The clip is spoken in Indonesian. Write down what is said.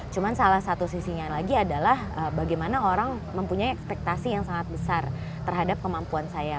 cuma salah satu sisinya lagi adalah bagaimana orang mempunyai ekspektasi yang sangat besar terhadap kemampuan saya